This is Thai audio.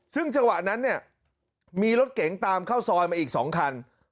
ซึ่งจังหวะนั้นเนี่ยมีรถเก๋งตามเข้าซอยมาอีก๒คัน